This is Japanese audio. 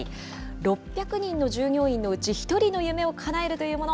６００人の従業員のうち、１人の夢をかなえるというもの。